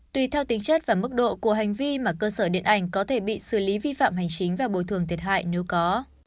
tùy theo tính chất và mức độ của hành vi mà cơ sở điện ảnh có thể bị xử lý vi phạm hành chính và bồi thường thiệt hại nếu có